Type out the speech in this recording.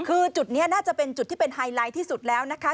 คือจุดนี้น่าจะเป็นจุดที่เป็นไฮไลท์ที่สุดแล้วนะคะ